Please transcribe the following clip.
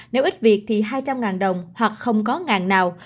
nếu ít việc thì hai trăm linh đồng hoặc không có ngàn nào